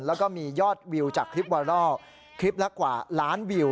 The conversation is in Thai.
แล้วก็มียอดวิวจากคลิปไวรัลคลิปละกว่าล้านวิว